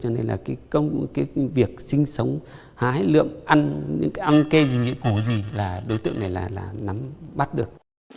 nên việc sinh sống hái lượm ăn ăn cây những củ gì đối tượng này là nắm bắt được